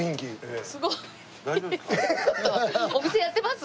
ちょっとお店やってます？